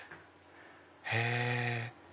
へぇ。